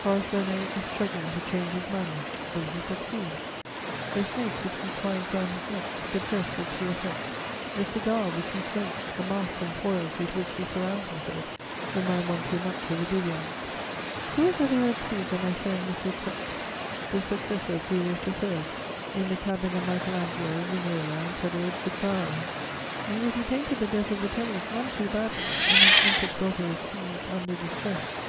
Horace Vernet is struggling to change his manner: will he succeed? The snake which he twines round his neck, the dress which he affects, the cigar which he smokes, the masks and foils with which he surrounds himself remind one too much of the bivouac. Who has ever heard speak of my friend M. Quecq, the successor of Julius III. in the cabin of Michael Angelo, Vignola and Taddeo Zuccaro? And yet he painted the Death of Vitellius none too badly, in his nymphic grotto seized under distress.